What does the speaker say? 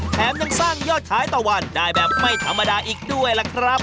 แถมยังสร้างยอดขายต่อวันได้แบบไม่ธรรมดาอีกด้วยล่ะครับ